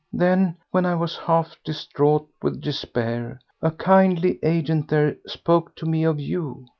Then when I was half distraught with despair, a kindly agent there spoke to me of you.